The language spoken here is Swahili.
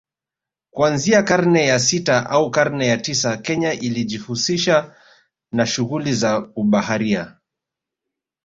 Kuanzia karne ya sita au karne ya tisa Kenya ilijihusisha na shughuli za ubaharia